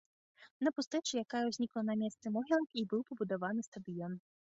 На пустэчы, якая ўзнікла на месцы могілак, і быў пабудаваны стадыён.